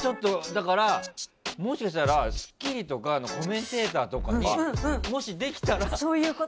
だから、もしかしたら「スッキリ」とかのコメンテーターとかにもしできたら。